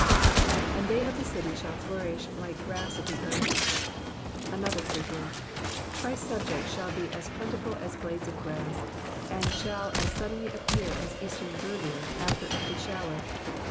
" 'And they of the city shall flo^irish like gra*s of the earth.^^ Another figure. Christ's subjects shall be as plentiful as blades of grass, and shall as suddenly appear as eastern verdure after a heavy shower.